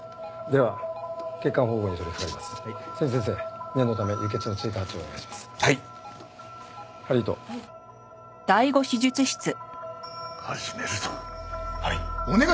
はい。